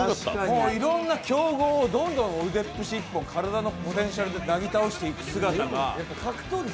いろんな強豪をどんどん腕っぷし一本、体のポテンシャルで倒していく姿が。